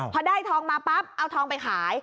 พอได้ทองมาปั๊บเอาทองไปขาย